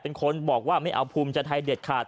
เป็นคนบอกว่าไม่เอาภูมิใจไทยเด็ดขาด